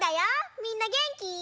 みんなげんき？